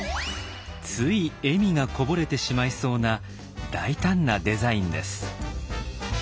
つい笑みがこぼれてしまいそうな大胆なデザインです。